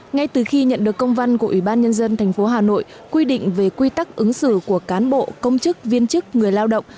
ngay từ khi nhận được công văn của ủy ban nhân dân tp hà nội quy định về quy tắc ứng xử của cán bộ công chức viên chức người lao động